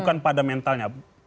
tapi pada mentalnya